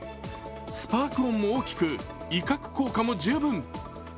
スパーク音も大きく、威嚇効果も十分。